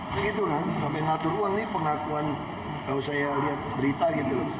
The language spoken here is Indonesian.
begitulah sampai ngatur uang nih pengakuan kalau saya lihat berita gitu loh